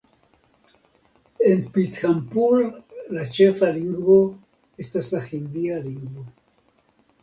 En Pithampur la ĉefa lingvo estas la hindia lingvo.